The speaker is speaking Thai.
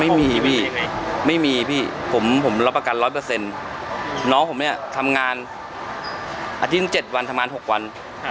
ไม่มีพี่ไม่มีพี่ผมรับประกัน๑๐๐น้องผมเนี่ยทำงานอาทิตย์๗วันทำงาน๖วัน